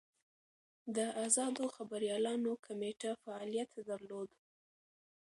د ازادو خبریالانو کمېټه فعالیت درلود.